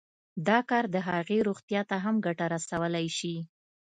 دا کار د هغې روغتيا ته هم ګټه رسولی شي